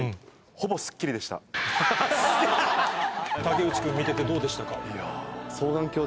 竹内君見ててどうでしたか？